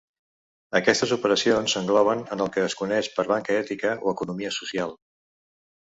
Aquestes operacions s'engloben en el que es coneix per banca ètica o economia social.